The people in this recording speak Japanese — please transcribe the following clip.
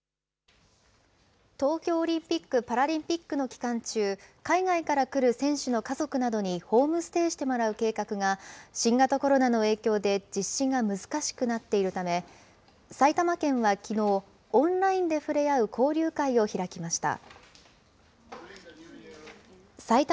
東京オリンピック・パラリンピックの期間中、海外から来る選手の家族などにホームステイしてもらう計画が、新型コロナの影響で実施が難しくなっているため、埼玉県はきのう、オンラインでふれあう交流会を開きました。